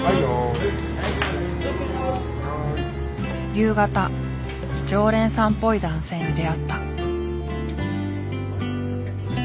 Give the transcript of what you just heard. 夕方常連さんっぽい男性に出会った。